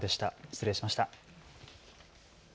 失礼しました。